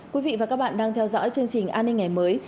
quý vị và các bạn đang theo dõi chương trình an ninh ngày mới